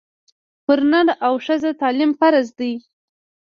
پر نر او ښځه تعلیم فرض دی